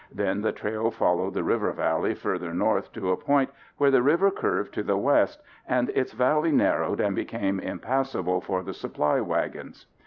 Then the trail followed the river valley further north to a point where the river curved to the west, and its valley narrowed and became impassable for the supply wagons.